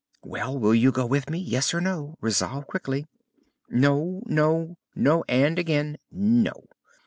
"Well, will you go with me? Yes or no? Resolve quickly." "No, no, no, and again no.